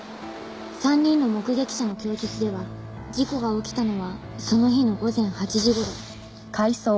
３人の目撃者の供述では事故が起きたのはその日の午前８時頃。